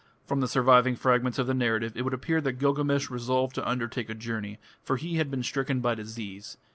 From the surviving fragments of the narrative it would appear that Gilgamesh resolved to undertake a journey, for he had been stricken by disease.